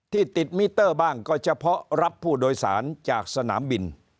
ที่ติดมิเตอร์บ้างก็เฉพาะรับผู้โดยสารจากสนามบิน